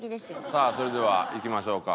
さあそれではいきましょうか。